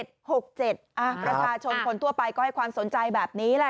ประชาชนคนทั่วไปก็ให้ความสนใจแบบนี้แหละ